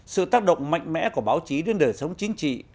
sự tác động mạnh mẽ của báo chí đến đời sống chính trị